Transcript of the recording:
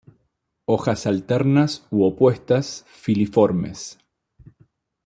Hojas alternas u opuestas, filiformes.